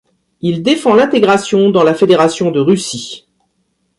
Il défend l'intégration dans la fédération de Russie.